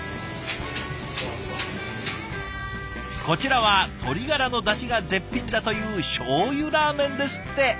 こちらは鶏ガラのだしが絶品だというしょうゆラーメンですって！